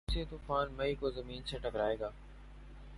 شمسی طوفان مئی کو زمین سے ٹکرائے گا